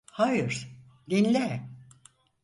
Hayır, dinle.